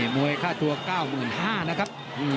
มวยค่าตัว๙๕๐๐นะครับ